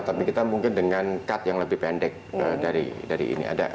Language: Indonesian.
tapi kita mungkin dengan cut yang lebih pendek dari ini